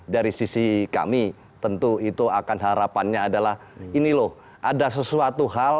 dari sisi kami tentu itu akan harapannya adalah ini loh ada sesuatu hal